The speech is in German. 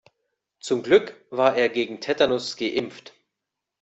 Zum Glück war er gegen Tetanus geimpft.